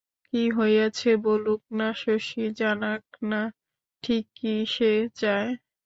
কী হইয়াছে বলুক না শশী, জানাক না ঠিক কী সে চায়।